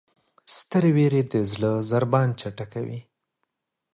سترې وېرې د زړه ضربان چټکوي.